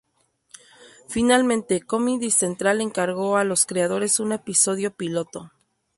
Finalmente, Comedy Central encargó a los creadores un episodio piloto.